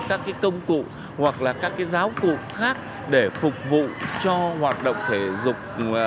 các công cụ hoặc là các giáo cụ khác để phục vụ cho hoạt động thể dục